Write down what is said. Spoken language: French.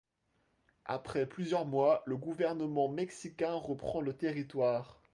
Après plusieurs mois, le gouvernement mexicain reprend le territoire.